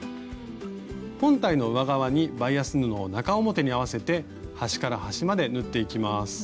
本体の上側にバイアス布を中表に合わせて端から端まで縫っていきます。